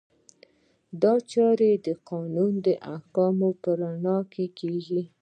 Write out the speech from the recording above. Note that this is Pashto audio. دا چارې د قانون د احکامو په رڼا کې کیږي.